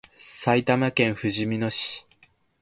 埼玉県ふじみ野市